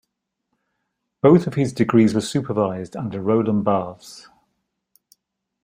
Both of his degrees were supervised under Roland Barthes.